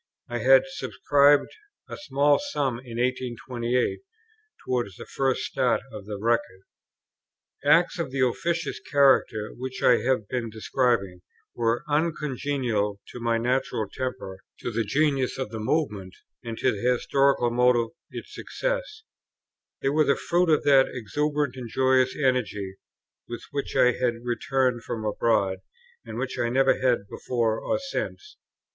I had subscribed a small sum in 1828 towards the first start of the Record. Acts of the officious character, which I have been describing, were uncongenial to my natural temper, to the genius of the Movement, and to the historical mode of its success: they were the fruit of that exuberant and joyous energy with which I had returned from abroad, and which I never had before or since.